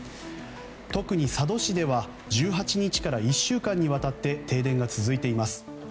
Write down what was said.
特に佐渡市では１８日から１週間にわたって停電が続いています。